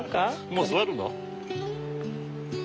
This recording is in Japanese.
もう座るの？